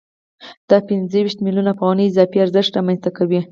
دا پنځه ویشت میلیونه افغانۍ اضافي ارزښت رامنځته کوي